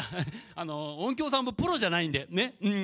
音響さんもプロじゃないんでねうん。